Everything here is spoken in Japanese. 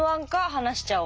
「はなしちゃお！」